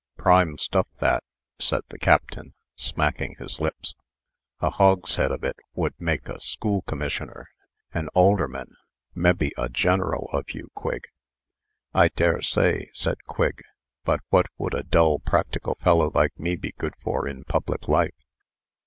"Prime stuff, that," said the Captain, smacking his lips. "A hogshead of it would make a school commissioner, an alderman, mebbe a major of you, Quigg." "I dare say," said Quigg. "But what would a dull, practical fellow like me be good for in public life?"